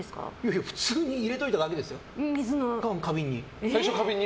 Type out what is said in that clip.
いや、普通に入れておいただけですよ、花瓶に。